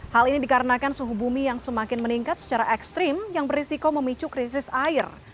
hal ini dikarenakan suhu bumi yang semakin meningkat secara ekstrim yang berisiko memicu krisis air